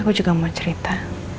aku juga mau cerita